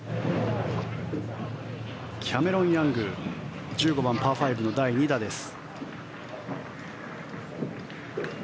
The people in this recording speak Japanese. キャメロン・ヤング１５番、パー５の第２打です。